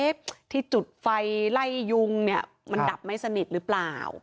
เจาะจุดไฟไล่ยุงดับไม่สนิทรึเปล่า